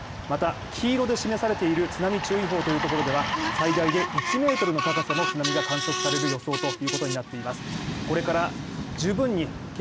また、黄色で示されている津波注意報というところでは、最大で１ｍの高さの津波が観測される予想ということになっています。